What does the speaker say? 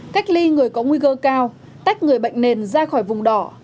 cách ly người có nguy cơ cao tách người bệnh nền ra khỏi vùng đỏ